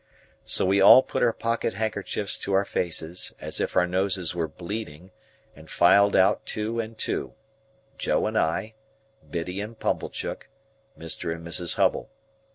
So we all put our pocket handkerchiefs to our faces, as if our noses were bleeding, and filed out two and two; Joe and I; Biddy and Pumblechook; Mr. and Mrs. Hubble.